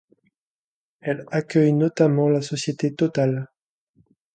Elle accueille notamment la société Total.